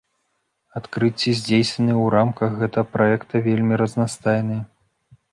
Адкрыцці, здзейсненыя ў рамках гэтага праекта, вельмі разнастайныя.